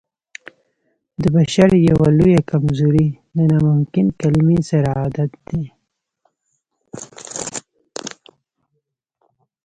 د بشر يوه لويه کمزوري د ناممکن کلمې سره عادت دی.